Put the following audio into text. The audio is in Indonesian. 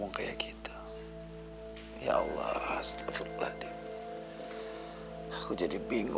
ada yang bisa aku bantu